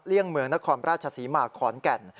เลี่ยงเหมือนัครประชาศีมาห์ขอนแก่น